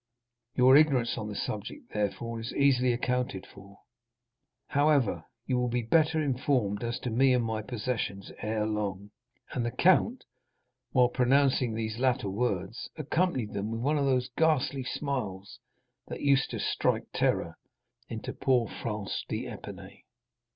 Your ignorance on the subject, therefore, is easily accounted for. However, you will be better informed as to me and my possessions ere long." And the count, while pronouncing these latter words, accompanied them with one of those ghastly smiles that used to strike terror into poor Franz d'Épinay.